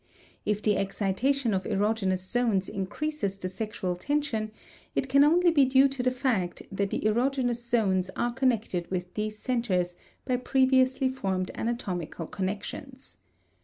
If the excitation of erogenous zones increases the sexual tension, it can only be due to the fact that the erogenous zones are connected with these centers by previously formed anatomical connections.